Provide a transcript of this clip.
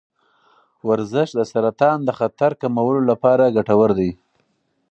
ورزش د سرطان د خطر کمولو لپاره ګټور دی.